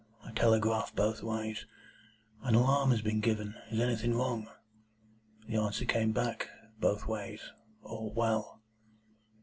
I telegraphed both ways, 'An alarm has been given. Is anything wrong?' The answer came back, both ways, 'All well.